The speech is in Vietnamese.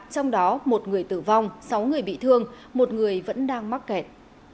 trong đó một người tử vong sáu người bị thương một người vẫn đang mắc kẹt